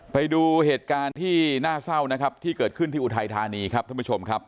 ไปดูเหตุการณ์ที่น่าเศร้านะครับที่เกิดขึ้นที่อุทัยธานีครับท่านผู้ชมครับ